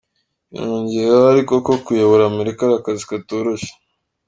Yongereho ariko ko kuyobora America ari akazi katoroshye.